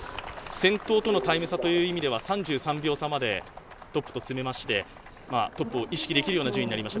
先頭とのタイム差という意味では３３秒差までトップと詰めまして、トップを意識できるような順位になりました。